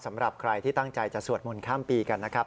สำหรับใครที่ตั้งใจจะสวดมนต์ข้ามปีกันนะครับ